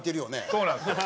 そうなんですよ。